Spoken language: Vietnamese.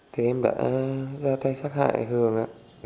thì em đã ra tay xác hại hường ạ